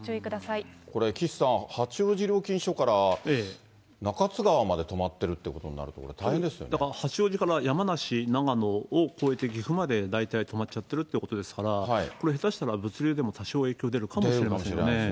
これ岸さん、八王子料金所から中津川まで止まってるということになると、これ、だから八王子から山梨、長野を越えて岐阜まで大体止まっちゃってるってことですから、これ下手したら、物流でも多少影響出るかもしれませんよね。